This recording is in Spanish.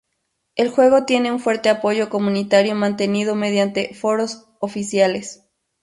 El juego tiene un fuerte apoyo comunitario, mantenido mediante foros oficiales.